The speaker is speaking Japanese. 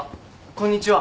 こんにちは。